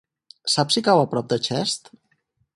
Saps si cau a prop de Xest?